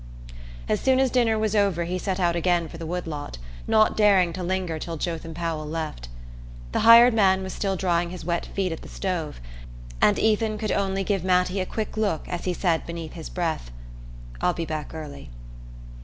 As soon as dinner was over he set out again for the wood lot, not daring to linger till Jotham Powell left. The hired man was still drying his wet feet at the stove, and Ethan could only give Mattie a quick look as he said beneath his breath: "I'll be back early."